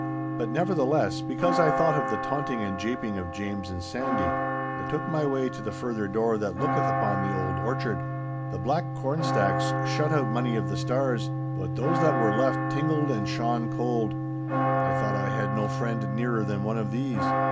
'But, nevertheless, because I thought of the taunting and japing of James and Sandy, I took my way to the further door that looketh upon the old orchard. The black corn stacks shut out many of the stars, but those that were left tingled and shone cold. I thought I had no friend nearer than one of these.